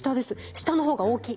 下の方が大きい。